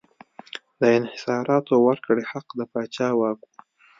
د انحصاراتو ورکړې حق د پاچا واک و.